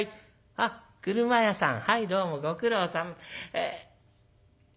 あっ俥屋さんはいどうもご苦労さん。